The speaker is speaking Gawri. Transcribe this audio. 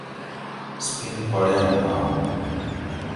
سپین خوڑ ایں ڈانڑ